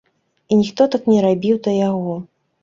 І ніхто так не рабіў да яго.